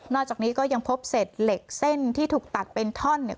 จากนี้ก็ยังพบเศษเหล็กเส้นที่ถูกตัดเป็นท่อนเนี่ย